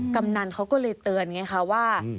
กำนันเขาก็เลยเตือนไงคะว่า